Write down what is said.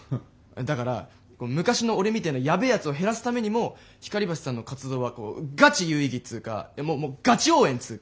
だから昔の俺みたいなやべえやつを減らすためにも光橋さんの活動はガチ有意義っつうかもうもうガチ応援っつうか。